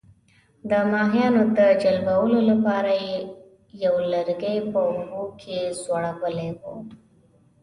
د ماهیانو د جلبولو لپاره یې یو لرګی په اوبو کې ځړولی وو.